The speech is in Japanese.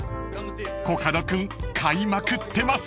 ［コカド君買いまくってます］